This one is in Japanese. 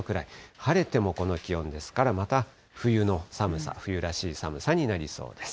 晴れてもこの気温ですから、また、冬の寒さ、冬らしい寒さになりそうです。